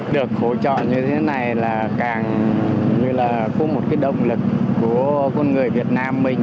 được hỗ trợ như thế này là càng như là có một cái động lực của con người việt nam mình